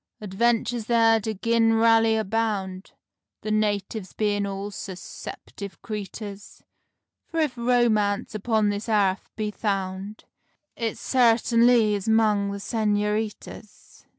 Adventures there do gin'rally abound, The natives being all sus ceptive creeters; For if romance upon this airth is found, It sartinly is 'mong the senoritas.